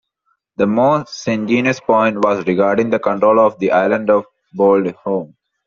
The most contentious point was regarding the control of the island of Bornholm.